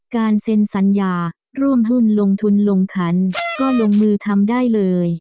เซ็นสัญญาร่วมหุ้นลงทุนลงขันก็ลงมือทำได้เลย